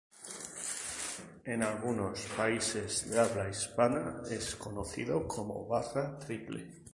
En algunos países de habla hispana es conocido como barra triple.